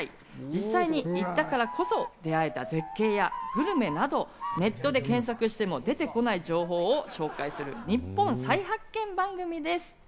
実際に行ったからこそ出会えた絶景やグルメなど、ネットで検索しても出てこない情報を紹介する日本再発見番組です。